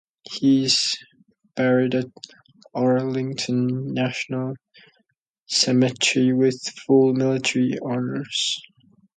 He is buried at Arlington National Cemetery with full military honors.